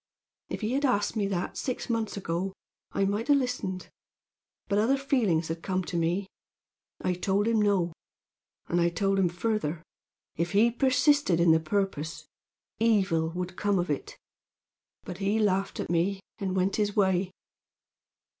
If he had asked me that six months ago I might have listened; but other feelings had come to me. I told him no; and I told him further, if he persisted in the purpose evil would come of it; but he laughed at me, and went his way.